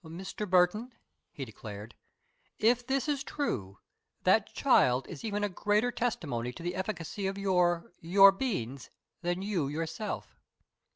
"Mr. Burton," he declared, "if this is true, that child is even a greater testimony to the efficacy of your your beans, than you yourself."